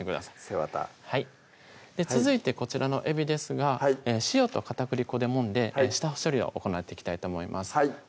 背わたはい続いてこちらのえびですが塩と片栗粉でもんで下処理を行っていきたいと思います